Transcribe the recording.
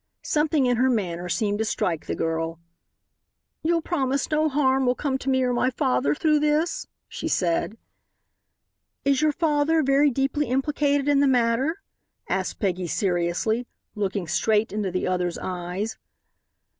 Something in her manner seemed to strike the girl. "You'll promise no harm will come to me or my father through this?" she said. "Is your father very deeply implicated in the matter?" asked Peggy seriously, looking straight into the other's eyes.